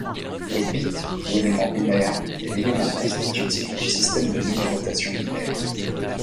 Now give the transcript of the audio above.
Le bit ou élément binaire est l'élément constitutif du système de numération binaire.